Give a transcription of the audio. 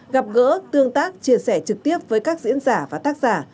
gặp gỡ tương tác chia sẻ trực tiếp với các diễn giả và tác giả